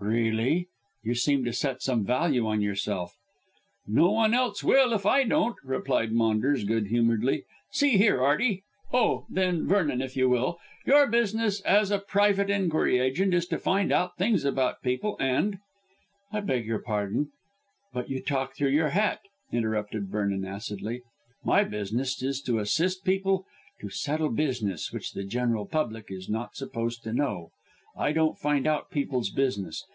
"Really. You seem to set some value on yourself." "No one else will if I don't," replied Maunders good humouredly. "See here, Arty oh, then, Vernon if you will your business as a private enquiry agent is to find out things about people, and " "I beg your pardon, but you talk through your hat," interrupted Vernon acidly. "My business is to assist people to settle business which the general public is not supposed to know. I don't find out people's business.